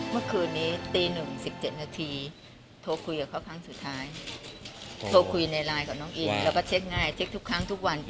เมื่อคืนนี้ตี๑๑๗นาทีโทรคุยกับเขาครั้งสุดท้ายโทรคุยในไลน์กับน้องอินแล้วก็เช็คง่ายเช็คทุกครั้งทุกวัน